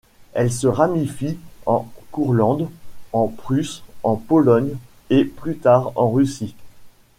Elles se ramifient en Courlande, en Prusse, en Pologne et plus tard en Russie.